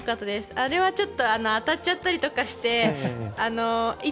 あれはちょっと当たっちゃったりとかして痛っ！